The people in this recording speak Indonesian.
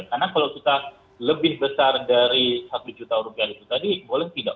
karena kalau kita lebih besar dari satu juta rupiah itu tadi boleh tidak